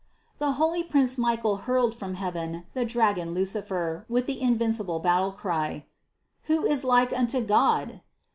The holy prince Michael hurled from heaven the dragon Lucifer with the invincible battle cry: "Who is like unto God?"